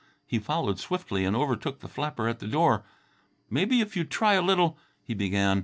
He followed swiftly and overtook the flapper at her door. "Maybe if you'd try a little " he began.